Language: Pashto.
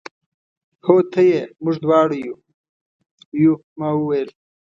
هو ته یې، موږ دواړه یو، یو. ما وویل.